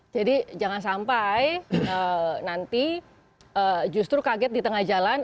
jadi nanti justru kaget di tengah jalan